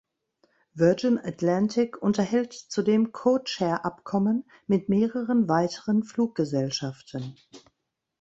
Virgin Atlantic unterhält zudem Codeshare-Abkommen mit mehreren weiteren Fluggesellschaften.